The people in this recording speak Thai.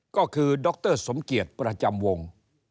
ก็คือดรสมเกียจประจำวง